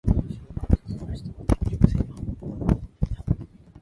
それから引き返してまた一直線に浜辺まで戻って来た。